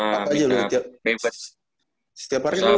apa aja lo setiap hari lo